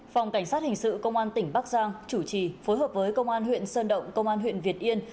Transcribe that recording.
phòng cảnh sát hình sự công an tỉnh bắc giang chủ trì phối hợp với công an huyện sơn động công an huyện việt yên